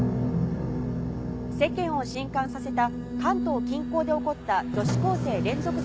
世間を震撼させた関東近郊で起こった女子高生連続殺人事件